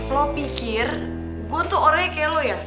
lo pikir gue tuh orangnya ke lo ya